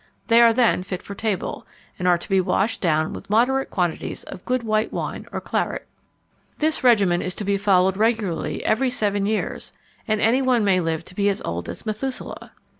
They are then fit for table, and are to be washed down with moderate quantities of good white wine or claret. This regimen is to be followed regularly every seven years, and any one may live to be as old as Methuselah!